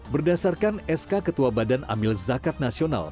berdasarkan sk ketua badan amil zakat nasional